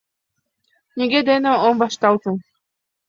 Нигӧ дене ом вашталте...